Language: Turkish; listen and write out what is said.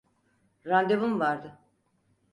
Randevum vardı.